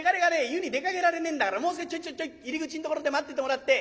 湯に出かけられねえんだからもう少しちょいちょい入り口のところで待っててもらって。